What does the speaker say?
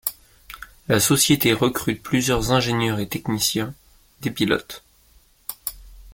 La société recrute plusieurs ingénieurs et techniciens, des pilotes.